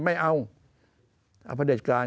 ไม่เอาอภเดชกาล